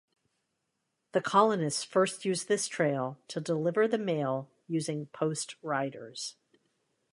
The colonists first used this trail to deliver the mail using post riders.